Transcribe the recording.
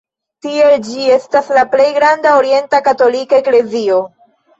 Tiel ĝi estas la plej granda orienta katolika eklezio.